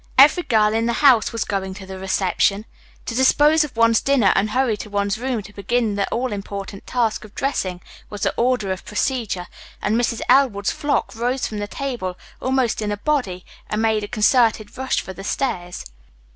Every girl in the house was going to the reception. To dispose of one's dinner and hurry to one's room to begin the all important task of dressing was the order of procedure, and Mrs. Elwood's flock rose from the table almost in a body and made a concerted rush for the stairs.